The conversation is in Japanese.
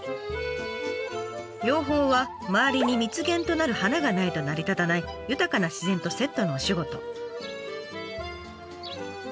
養蜂は周りに蜜源となる花がないと成り立たない豊かな自然とセットのお仕事。